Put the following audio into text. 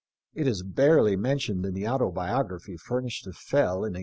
It is barely mentioned in the autobiography furnished to Fell in 1859.